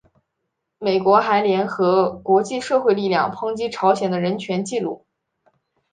美国还联合国际社会力量抨击朝鲜的人权纪录。